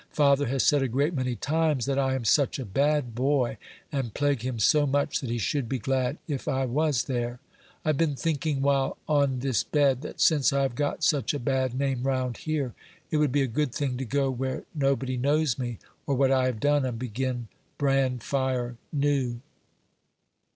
Father has said a great many times that I am such a bad boy, and plague him so much, that he should be glad if I was there. I've been thinking while on this bed, that since I have got such a bad name round here, it would be a good thing to go where nobody knows me, or what I have done, and begin brand fire new."